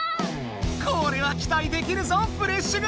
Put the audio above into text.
これはきたいできるぞフレッシュ組！